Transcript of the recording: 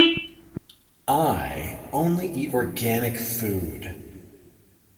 I only eat organic food.